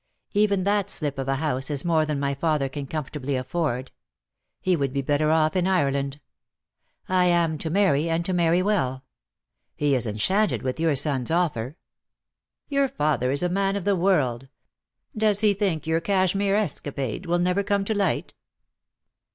Even that slip of a house is more than my father can comfortably afford. He would be better off in Ireland. I am to marry — and to marry well. He is enchanted with your son's offer." "Your father is a man of the world. Does he think your Cashmere escapade will never come to light?"